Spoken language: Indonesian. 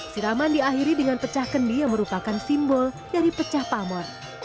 siraman diakhiri dengan pecah kendi yang merupakan simbol dari pecah pamor